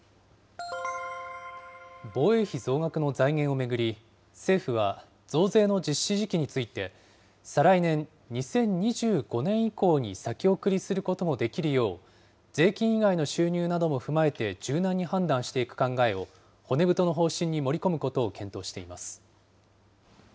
防衛費増額の財源を巡り、政府は増税の実施時期について、再来年・２０２５年以降に先送りすることもできるよう、税金以外の収入なども踏まえて、柔軟に判断していく考えを骨太の方針に盛り込むことを検討しています。